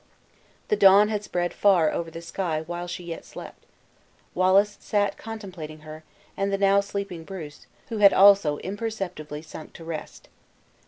The dawn had spread far over the sky while she yet slept. Wallace sat contemplating her, and the now sleeping Bruce, who had also imperceptibly sunk to rest.